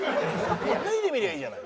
脱いでみりゃいいじゃない。